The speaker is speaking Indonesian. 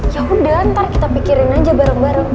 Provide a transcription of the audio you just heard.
yaudah ntar kita pikirin aja bareng bareng